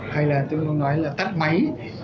hay là tắt máy